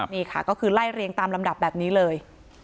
นี่ค่ะก็คือไล่เรียงตามลำดับแบบนี้เลย